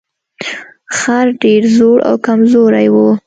خر ډیر زوړ او کمزوری و.